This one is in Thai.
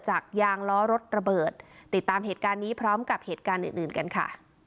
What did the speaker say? ยางล้อรถระเบิดติดตามเหตุการณ์นี้พร้อมกับเหตุการณ์อื่นอื่นกันค่ะ